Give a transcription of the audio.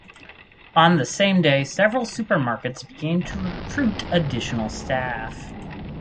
On the same day several supermarkets began to recruit additional staff.